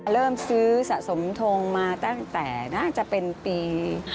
เริ่มซื้อสะสมทงมาตั้งแต่น่าจะเป็นปี